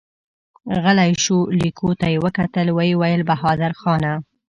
غلی شو، ليکو ته يې وکتل، ويې ويل: بهادرخانه!